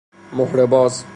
مهره باز